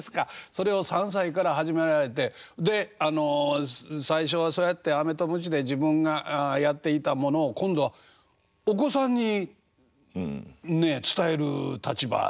それを３歳から始められてで最初はそうやってアメとムチで自分がやっていたものを今度はお子さんに伝える立場でしょ？